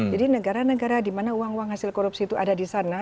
jadi negara negara di mana uang uang hasil korupsi itu ada di sana